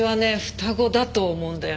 双子だと思うんだよね。